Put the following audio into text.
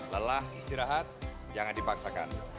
lelah istirahat jangan dipaksakan